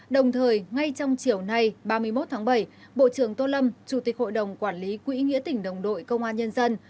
đồng thời ngay trong chiều nay ba mươi một tháng bảy bộ trưởng tô lâm chủ tịch hội đồng quản lý quỹ nghĩa tỉnh đồng đội công an nhân dân